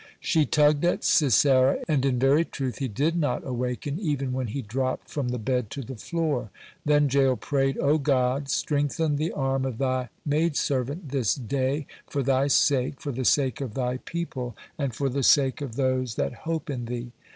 She tugged at Sisera, and in very truth he did not awaken even when he dropped from the bed to the floor. Then Jael prayed: "O God, strengthen the arm of Thy maid servant this day, for Thy sake, for the sake of Thy people, and for the sake of those that hope in Thee."